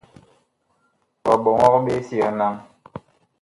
Ɔ ɓɔŋɔg ɓe sig naŋ.